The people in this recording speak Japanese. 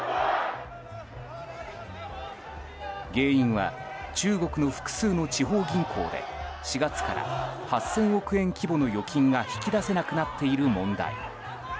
原因は中国の複数の地方銀行で４月から８０００億円規模の預金が引き出せなくなっている問題。